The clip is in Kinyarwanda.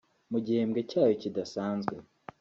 mu gihembwe cyayo kidasanzwe